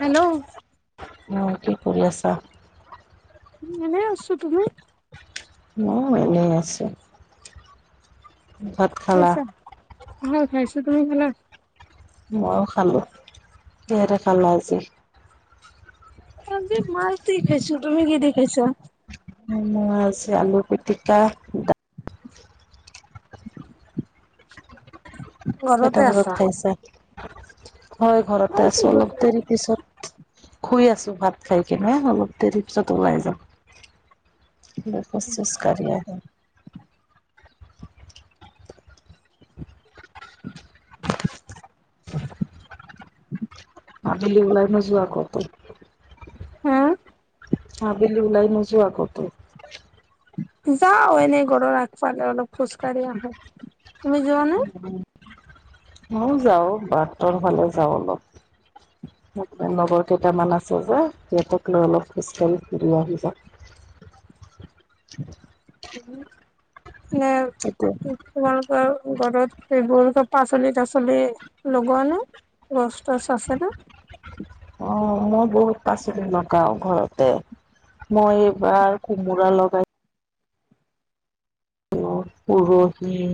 Hello. শুনি আছা? এনে আছো তুমি? মইও এনেই আছো। ভাত খালা খাইছা আহ খাইছা তুমি খালা? ময়ো খালো, কিহেৰে খালা আজি? আজি মাছ দি খাইছো, তুমি কি দি খাইছা? মই আজি আলু পিটিকা [inaudible] কেইটা ঘৰতে বজাত আছা খাইছা? হয় ঘৰতে আছো অলপ দেৰি পিছত শুই আছো ভাত খাই কেনে অলপ দেৰি পিছত ওলাই যাম। অলপ খোজ চোজ কাঢ়ি আহিম। আবেলি উলাই নোযোৱা ক'তো? হা আবেলি উলাই নোযোৱা ক'তো? যাওঁ এনেই ঘৰৰ আগফালে অলপ খোজ কঢ়ি আহো। তুমি যোৱানে? ময়ো যাওঁ বাতৰ ফালে যাওঁ অলপ। [inaudible] লগৰ কেইটামান আছে যে সিহঁতক লৈ অলপ খোজ‌ কাঢ়ি ঘূৰি আহি যাওঁ। [inaudible] নে এতিয়া তোমালোকৰ ঘৰত এইবোৰ পাচলি তাচলি লগোৱা নে? গছ তচ আছে নে? অ', মই বহুত পাচলি লগাওঁ ঘৰতে। মই এবাৰ কোমোৰা লগাই উৰহি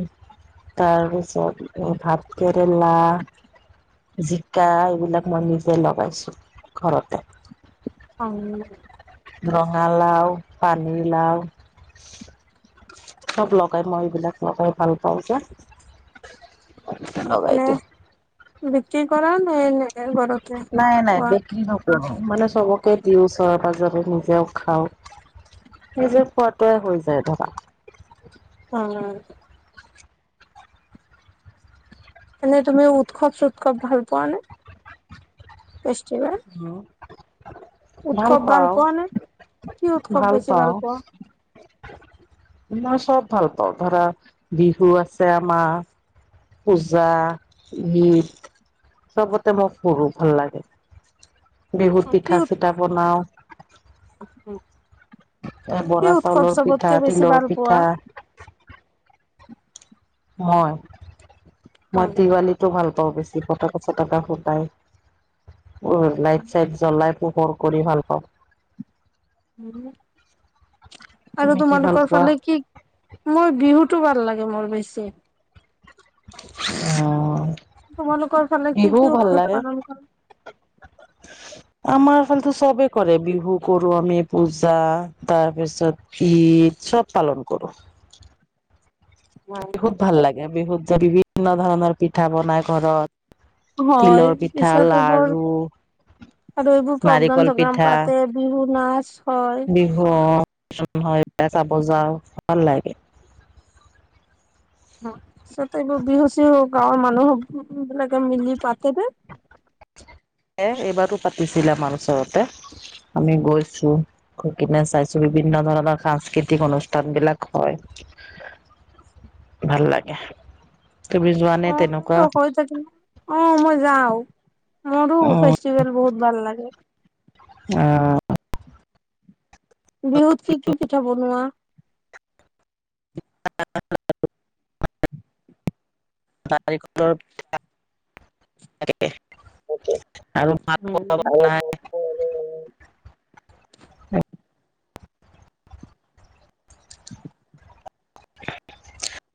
তাৰপিছত ভাতকেৰেলা জিকা এইবিলাক মই নিজে লগাইছো ঘৰতে। অ'। ৰঙালাও পানী লাওঁ। চব লগাই মই এইবিলাক লগাই ভাল পাওঁ যে। লগাই নে দিওঁ। বিক্ৰী কৰা নে এনে ঘৰত নাই নাই বিক্ৰী নকৰো। মানে চবকে দিওঁ ওচৰে পাজৰে নিজেও খাওঁ। নিজে খোৱাটোৱে হৈ যায় ধৰা। অ'। এনেই তুমি উৎসৱ সুৎসৱ ভাল পোৱা নে? ফেষ্টিভেল! ভাল উৎসৱ পাওঁ পোৱা নে কি উৎসৱ ভাল বেছি পাওঁ। পোৱা মই চব ভাল পাওঁ ধৰা বিহু আছে আমাৰ পূজা ঈদ। চবতে মোক ফুৰু ভাল লাগে, বিহুত পিঠা চিঠা বনাওঁ। উম, এ কি বৰা উৎসৱ চাউলৰ পিঠা চবতকে বেছি তিলৰ ভাল পোৱা? পিঠা মই মই হয় দিৱালীটো ভাল পাওঁ। পাওঁ বেছি ফটকা চটকা ফুটাই লাইট চাইট জ্বলাই। পোহৰ কৰি ভাল পাওঁ। আৰু তুমি কি ভাল তোমালোকৰ পোৱা ফালে কি মই বিহুত টো ভাল লাগে মোৰ বেছি। অ', তোমালোকৰ ফালে কি কি উৎসৱ পালন কৰে? [inaudible] আমাৰ ফালেতো চবে কৰে বিহু কৰো আমি পূজা তাৰপিছত ঈদ চব পালন কৰোঁ। বিহুত ভাল লাগে বিহুত যে বিভিন্ন ধৰণৰ পিঠা বনাই ঘৰত। হয় তিলৰ পিঠা পিছত এইবোৰ লাৰু। আৰু এইবোৰ প্ৰগ্ৰাম নাৰিকল চগ্ৰাম পিঠা পাতে বিহু নাচ হয় বিহু হয় চাব যাওঁ ভাল লাগে। এইবোৰ বিহু চিহু গাঁৱৰ মানুহ বিলাকে মিলি পাতে যে এ এইবাৰো পাতিছিলে আমাৰ ওচৰতে। আমি গৈছো গৈ কিনে চাইছো বিভিন্ন ধৰণৰ সাংস্কৃতিক অনুষ্ঠান বিলাক হয় ভাল লাগে তুমি যোৱা নে অ', তেনেকুৱা এনে হৈ থাকিলে, অ', মই যাওঁ মোৰো ফেষ্টিভেল বহুত ভাল লাগে। অ', বিহুত কি কি পিঠা বনোৱা? [inaudible] নাৰিকলৰ পিঠা [unintelligible] আৰু [inaudible]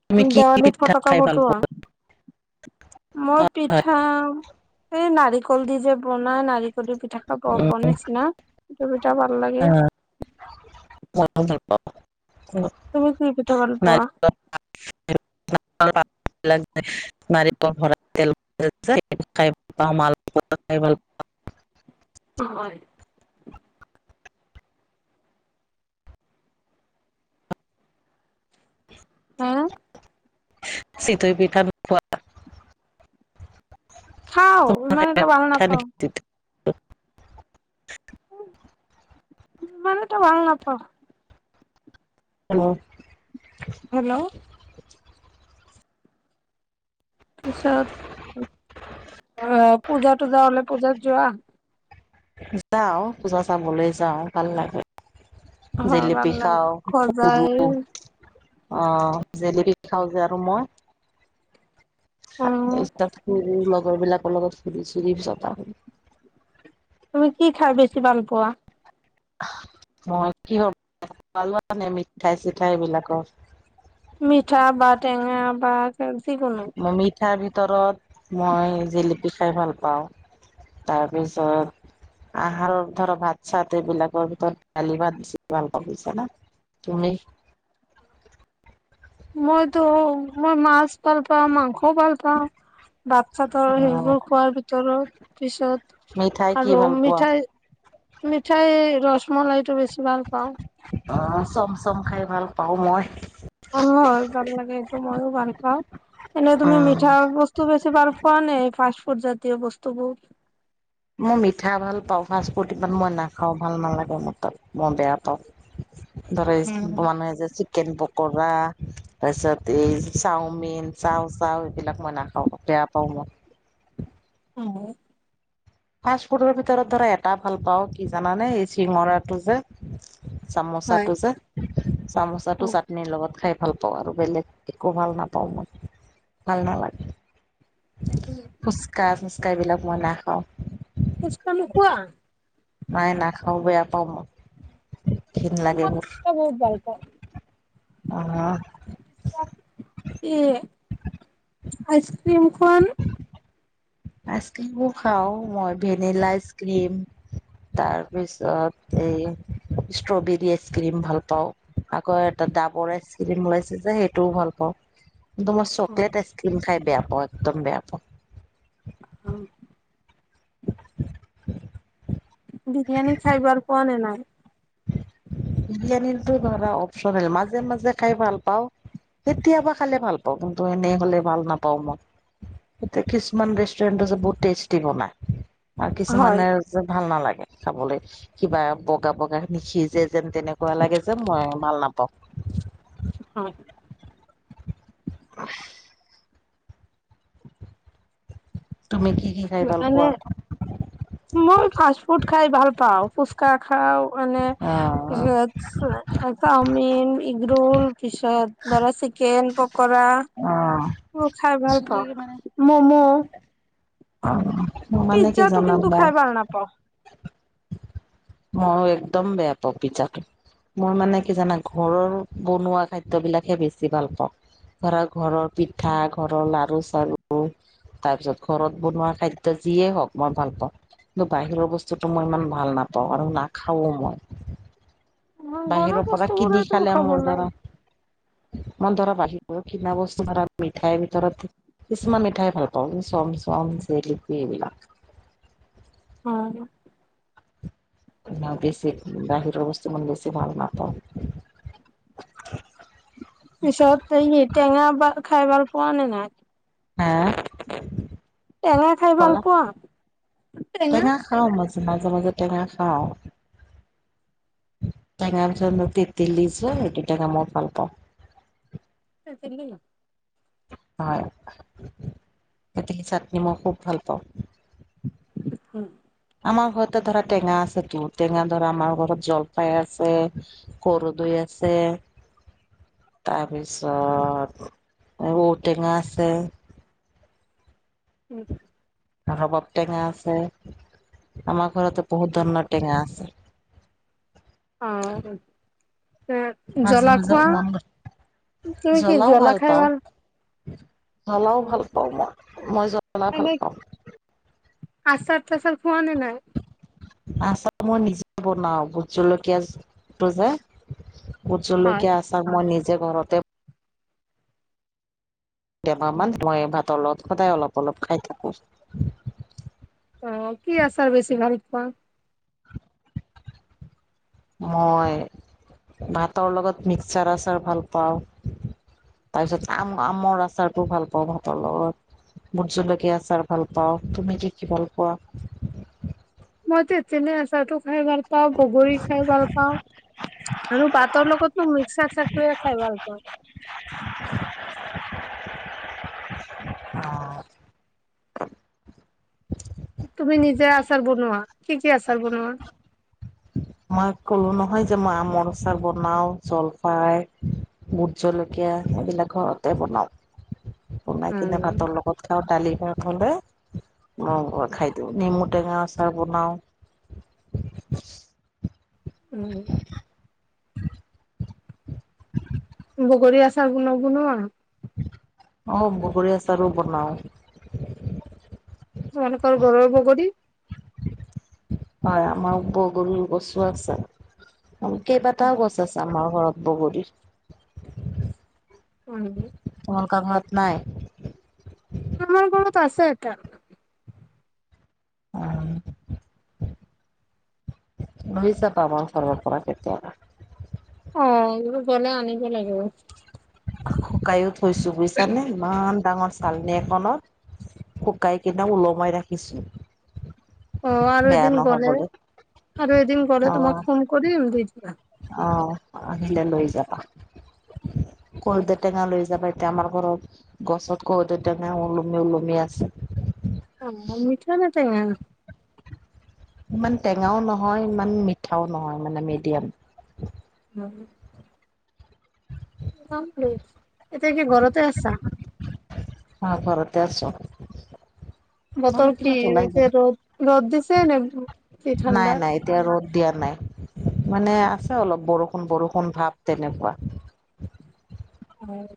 তুমি কি দেৱালীত পিঠা ফটকা খাই ভাল ফটোৱা? পোৱা? মই পিঠা, এই নাৰিকল দি যে বনাই নাৰিকল দি পিঠ উম [unintelligible] নিচিনা সেইটো পিঠা ভাল লাগে। অ', তুমি কি পিঠা ভাল পোৱা? [inaudible] নাৰিকল ভৰা তেল খাই [unintelligible] খাই ভাল পাওঁ হয়, হাঁ? চিতৈ পিঠা [unintelligible] পোৱা খাওঁ ইমান এটা ভাল পিঠা নাপাওঁ। নেকি ইমান এটা ভাল নাপাওঁ। অ', হেল্ল' পিছত অ', পূজা তুজা হলে পূজাত যোৱা? যাওঁ পূজা চাবলৈ যাওঁ ভাল লাগে। হয় ভাল জেলেপি লাগে খাওঁ ফুৰু সজাই অ', জেলেপি খাওঁ যে আৰু মই অ লগৰ বিলাকৰ লগত ফুৰি চুৰি পিছত আহোঁ। তুমি কি খাই বেছি ভাল পোৱা? মই কি [unintelligible] নে মিঠাই চিঠাই এইবিলাকৰ। মিঠা বা টেঙা বা যিকোনো মই মিঠাৰ ভিতৰত মই জেলেপি খাই ভাল পাওঁ তাৰপিছত আহাৰৰ ধৰ ভাত চাত এইবিলাকৰ ভিতৰত দালি ভাত বেছি ভাল পছে না তুমি? মইতো মই মাছ ভাল পাওঁ মাংস ভাল পাওঁ ভাত চাতৰ অ সেইবোৰ খোৱাৰ ভিতৰত পিছত মিঠাই কি আৰু ভাল ৰৰুম পোৱা? মিঠাই মিঠাই ৰসমলাইটো বেছি ভাল পাও আ চম খাই ভাল পাও মই অ', ভাল লাগে এইটো ময়ো ভাল পাও এনেই তুমি মিঠা বস্তু বেছি বাৰ পোৱা নাই প পৰজাতীয় বস্তুবোৰ মই মিঠা ভাল পাওঁ ফা্ষ্ ফুট ইমান মই নাখাওঁ ভাল নালাগে ম তত মই বেয়া পাওঁ ধৰে মানুহে যে চিকেন পকৰা তাৰপিছত এই চাওমিন চাও চাও এইবিলাক মই নাখাওঁ তয়া পাওঁ আহ, ফাষ্ট ফুডৰ ভিতৰত ধৰা এটা ভাল পাওঁ কি জানানে এই চিঙৰাটো যে হয় চামোচাটো যে চামোচাটো চাটনিৰ লগত খাই ভাল পাও আৰু বেলেগ একো ভাল নাপাওঁ মোৰ ভাল নালাগে ফুচকা ফুচকা এইবলাক মই নাখাও ফুচকা নোখোৱা নাই নাখাও বেয়া পাও ম কণ লাগে মই মোৰ ফুচকা বহুত ভাল পাওঁ আহ, আচক্ৰীমখন আইচক্ৰীমো খাওঁ মই ভেনিলা আইচ ক্ৰীম তাৰ পিছত এ ষ্ট্ৰবেৰী আইচ ক্ৰীম ভাল পাওঁ আকৌ এটা ডাবৰ আইচ ক্ৰীম ওলাইছে যে সেইটোও ভাল পাও এক তোমই চকলেট আইচ ক্ৰীম খাই বেয়া পাওঁ একদম বেয়া পাও অ', বিৰিয়ানী খাই বাৰ পোৱা নে নাই? বিৰিয়ানীৰতটো ধৰা অপচনেল মাজে মাজে খাই ভাল পাও কেতিয়াবা খালে ভাল পাওঁ কিন্তু এনেই হলে ভাল নাপাও মই এতিয়া কিছুমান ৰেষ্টুৰেণ্ট আছে বহুত টেষ্টি বনাই আৰু হয় কিছুমানে যে ভাল নালাগে খাবলৈ কিবা বগা বগা খিনি সিজে যেন তেনেকুৱা লাগে যে মই মাল নাপাও হয় উ, তুমি কি কি খাই ভাল এনেে পোৱা মই ফাষ্ট ফুড খাই ভাল পাও ফুচকা খাও মানে অ চাওমিন ইগ্ৰো পিছত ধৰা চিকেন কৰা অ ম খাই ভাল পাও মানে মমো অ মানে কি পিজ্জা টো জানা কিন্তু মই খাই বাৰ নাপাও ম একদম বেয়া [unintelligible] মই মানে কি জানা ঘৰৰ বনোৱা খাদ্যবিলাকহে বেছি ভাল পাও ধৰা ঘৰৰ পিঠা ঘৰৰ লাৰু আৰু তাৰপিছত ঘৰত বনোৱা খাদ্য যিয়ে হওক মই ভাল পাও কিন্তু বাহিৰৰ বস্তুটো মই ইমান ভাল নাপাও আৰু নাখাও মই ঘৰৰ বাহিৰৰ পৰা কিনি বস্তুবোৰেতো খালে খাব মোৰ দাৰা লাগে। মই ধৰা বাহিব কিনা বস্তু ধৰা মিঠাইৰ ভিতৰত কিছুমা মিঠাই ভাল পাওঁ চম চম চলিপি এইবিলাক। হয়। বেছি বাহিৰৰ বস্তু ইমান বেছি ভাল নাপওঁ। পিছত এই টেঙা বা খাই ভাল পোৱা নাই নাই? হা টেঙা কি খাই ভাল কলা? পোৱা? টেঙা খাও মছ মাজে মাজে টেঙা খাওঁ। টেঙা ভিতৰত তেতেলিজে চিটো টেঙা ম ভাল পাওঁ। তকেনো। হয়, তেঁতেলী চাটনি মই খুব ভাল পাওঁ। [unintelligible] আমাৰ ঘৰতে ধৰা টেঙা আছেতো টেঙা ধৰা আমাৰ ঘৰত জলপাই আছে কৰৰু দই আছে। ছে। হয় তাৰপিছত ঔটেঙা আছে। উম। ৰবাব টেঙা আছে, আমাৰ ঘৰতে বহুত ধৰণৰ টেঙা আছে। অ'। এ মাজে জলা মাজে খোৱা? মন তুমি কি জ্বলাও জ্বলা খাই পাওঁ ভাল জ্বলাও ভাল পাওঁ মই, মই জ্বলা ভাল পাওঁ। আছাৰ তছাৰ খোৱা নে নাই? আ চা মই নিজে বনাও ভোট জলকীয়াটো যে। ভোট হয়, জলৈকীয়া আছাৰ মই নিজে ঘৰতে তেবা মান মই ভাতৰ লগত সদায় অলপ অলপ খাই থাকোঁ। অ' কি আছাৰ বেছি ভাৰত পোৱা? মই ভাতৰ লগত মিক্সাৰ আচাৰ ভাল পাওঁ। তাৰ পিছত আম-আমৰ আচাৰটো ভাল পাওঁ ভাতৰ লগত। বোত জলকীয়া আছাৰ ভাল পাও, তুমি কি কি ভাল পোৱা? মই তেতেনে আচাৰটো খাই ভাল পাওঁ বগৰী খাই ভাল পাওঁ। আৰু পাতৰ লো মিক্সা চাক খাই ভাল। অ'। তুমি নিজে আচাৰ বনোৱা, কি কি আচাৰ বনোৱা? মই ক'লো নহয় যে মই আমৰ আচাৰ বনাও জলফাই ভোট জলকীয়া এইবিলাক ঘৰতে বনাওঁ। বনাই কিনে উম, ভাতৰ লগত খাওঁ দালি ভাত হলে। ম অ খাই দিওঁ, নিমুটেঙা আচাৰ বনাওঁ। উম। বগৰী আচাৰ নবনুৱা? অ', বগৰী আচাৰো বনাওঁ। তোমালোকৰ ঘৰৰ বগৰী? হয় আমাৰ বগৰু গছো আছে, কেইবাটাও গছ আছে আমাৰ ঘৰত। বগৰী। উম। তোমালোক ঘৰত নাই? আমাৰ ঘৰত আছে এটা। অ'। নুইছা পাবঞ্চলৰ পৰা কেতিয়াবা। অ' এইবোৰ গলে আনিব লাগিব। শুকাইো থৈছো বুজিছা নে ইমান ডাঙৰ চালনি এখনত শুকাই কেনে ওলমাই ৰাখিছোঁ। অ', আৰু এদিন গ'লে আৰু এদিন গ'লে তোমাক ফোন কৰিম দি দিবা। আহ আহিলে লৈ যাবা। কদৈ টেঙা লৈ যাবা এতিয়া আমাৰ ঘৰত গছত কদৈ টেঙা ওলমি ওলমি আছে। অ', মিঠা নে টেঙা? ইমান টেঙাও নহয় ইমান মিঠাও নহয় মানে মিডিয়াম। [inaudible] এতিয়া কি ঘৰতে আছা? অ', ঘৰতে আছো। বতৰ অলপ কি পিছত ওলাই যাম এতিয়া ৰ'দ ৰ'দ দিছে নে কি নাই ঠাণ্ডা? নাই এতিয়া ৰ'দ দিয়া নাই। মানে আছে অলপ বৰষুণ বৰষুণ ভাৱ তেনেকুৱা। অ'।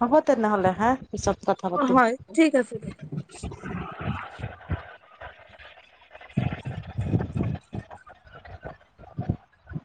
হ'ব তেনেহ'লে হা। পিছত কথা অ', পাতিম হয় ঠিক আছে দিয়ক। [inaudible] [inaudible]